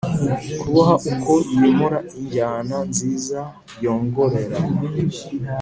kuboha uko yimura injyana nziza yongorerana.